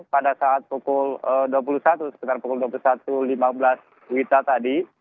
pada saat pukul dua puluh satu sekitar pukul dua puluh satu lima belas wita tadi